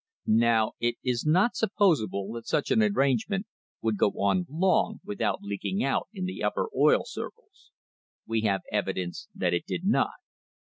Now it is not supposable that such an arrangement would go on long without leaking out in the upper oil circles. We have evidence that it did not.